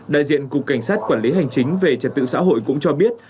đại diện cục cảnh sát quản lý hành chính về trật tự xã hội cũng cho biết